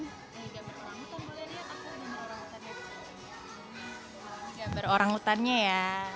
gambar orang hutannya ya